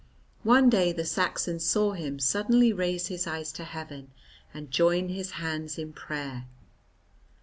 One day the Saxon saw him suddenly raise his eyes to heaven and join his hands in prayer.